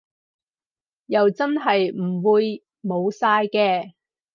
又真係唔會冇晒嘅